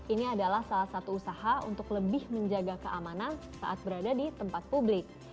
ini adalah salah satu usaha untuk lebih menjaga keamanan saat berada di tempat publik